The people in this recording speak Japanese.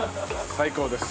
最高です。